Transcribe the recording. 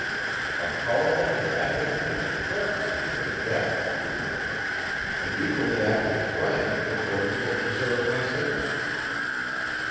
A powerful and active enemy threatened me with death. An equally active friend was working to preserve my safety.